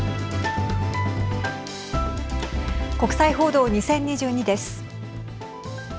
国際報道２０２２です。